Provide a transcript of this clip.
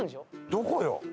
どこよ？